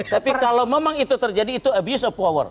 tapi kalau memang itu terjadi itu abusing power